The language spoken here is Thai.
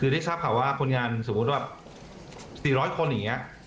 ได้ทราบค่ะว่าคนงานสมมติ๔๐๐คนอย่างอ่ะ